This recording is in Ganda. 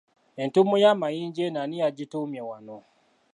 Entuumu y'amayinja eno ani yagituumye wano.